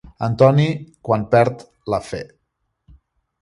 En Toni quan perd la fe.